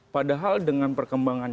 padahal dengan perkembangan